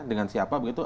dengan siapa begitu